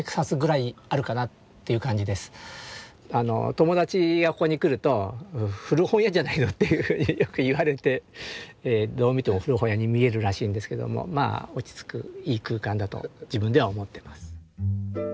友達がここに来ると「古本屋じゃないの？」というふうによく言われてどう見ても古本屋に見えるらしいんですけどもまあ落ち着くいい空間だと自分では思ってます。